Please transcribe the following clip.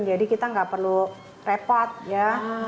jadi kita nggak perlu repot ya